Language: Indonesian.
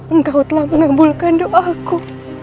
engkau telah mengambulkan doaku